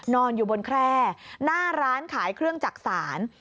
นอนอยู่บนแคร่หน้าร้านขายเครื่องจักษาน